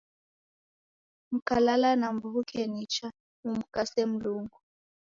Mkalala na mw'uke nicha , mumkase Mlungu